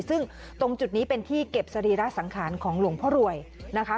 ซึ่งตรงจุดนี้เป็นที่เก็บสรีระสังขารของหลวงพ่อรวยนะคะ